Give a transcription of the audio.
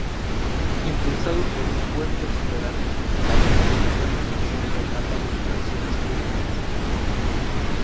Impulsado por un fuerte superávit fiscal, el gobierno inició una etapa de inversiones públicas.